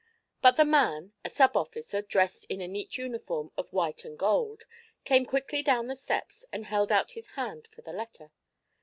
But the man, a sub officer dressed in a neat uniform of white and gold, came quickly down the steps and held out his hand for the letter.